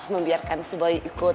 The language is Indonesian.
membiarkan si boy ikut